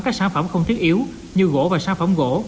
các sản phẩm không thiết yếu như gỗ và sản phẩm gỗ